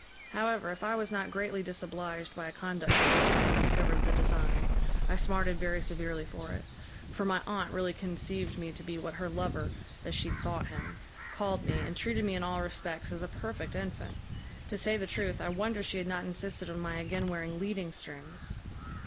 However, if I was not greatly disobliged by a conduct of which I had discovered the design, I smarted very severely for it; for my aunt really conceived me to be what her lover (as she thought him) called me, and treated me in all respects as a perfect infant. To say the truth, I wonder she had not insisted on my again wearing leading strings.